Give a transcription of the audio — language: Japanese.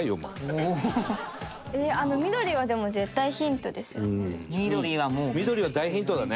「あの緑はでも絶対ヒントですよね？」